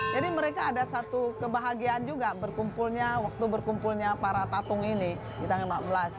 jadi mereka ada satu kebahagiaan juga berkumpulnya waktu berkumpulnya para tatung ini di tanggal lima belas